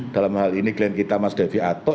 dalam hal ini klien kita mas devi ato